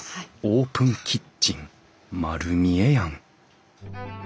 オープンキッチン丸見えやん！